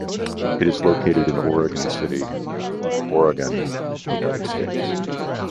It is located in Oregon City, Oregon, United States.